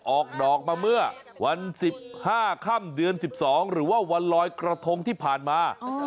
ออกดอกมาเมื่อวันสิบห้าค่ำเดือนสิบสองหรือว่าวันรอยกระทงที่ผ่านมา